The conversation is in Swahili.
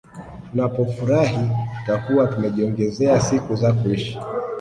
Tunapofurahi tutakuwa tumejiongezea siku za kuishi